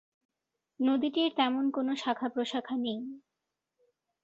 নদীটির তেমন কোনো শাখা-প্রশাখা নেই।